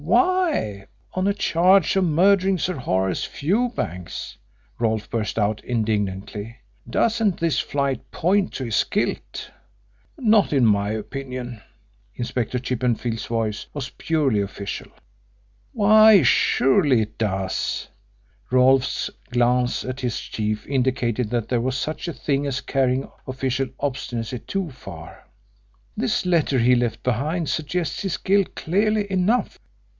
"Why, on a charge of murdering Sir Horace Fewbanks," Rolfe burst out indignantly. "Doesn't this flight point to his guilt?" "Not in my opinion." Inspector Chippenfield's voice was purely official. "Why, surely it does!" Rolfe's glance at his chief indicated that there was such a thing as carrying official obstinacy too far. "This letter he left behind suggests his guilt, clearly enough."